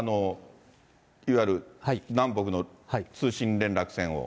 いわゆる南北の通信連絡線を。